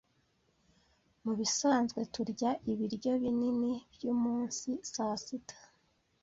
Mubisanzwe turya ibiryo binini byumunsi saa sita.